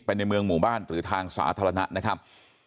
ในเมืองหมู่บ้านหรือทางสาธารณะนะครับ